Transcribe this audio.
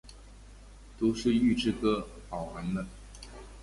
都是预制歌，好完了！